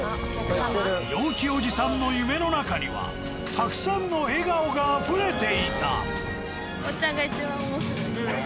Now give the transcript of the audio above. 陽気おじさんの夢の中にはたくさんの笑顔があふれていた。